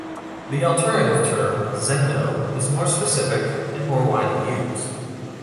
The alternative term "zendo" is more specific, and more widely used.